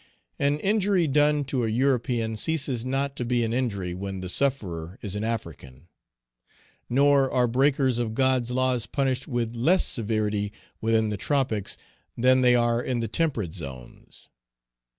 An injury done to a European ceases not to be an injury when the sufferer is an African. Nor are breakers of God's laws punished with less severity within the tropics than they are in the temperate zones.